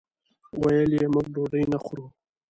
ویل یې موږ ډوډۍ نه خورو.